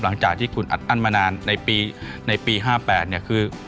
หลังจากที่คุณอัดอั้นมานานในปี๕๘เนี่ยคือ